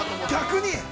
◆逆に。